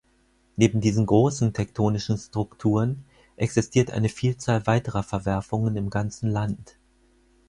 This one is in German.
Neben diesen großen tektonischen Strukturen existiert eine Vielzahl weiterer Verwerfungen im ganzen Land.